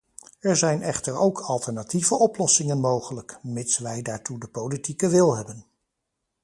Er zijn echter ook alternatieve oplossingen mogelijk, mits wij daartoe de politieke wil hebben.